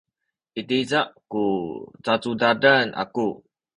i tiza ku cacudadan aku.